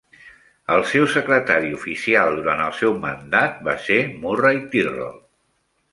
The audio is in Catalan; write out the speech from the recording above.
El seu secretari oficial durant el seu mandat va ser Murray Tyrrell.